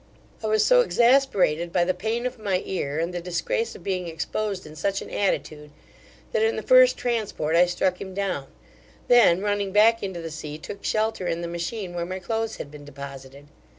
I was so exasperated by the pain of my ear, and the disgrace of being exposed in such an attitude, that, in the first transport I struck him down; then, running back into the sea, took shelter in the machine where my clothes had been deposited.